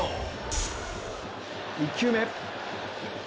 １球目。